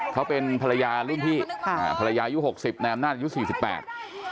เขาเป็นภรรยารุ่นพี่ค่ะอ่าภรรยายุหกสิบนายอำนาจอายุสี่สิบแปด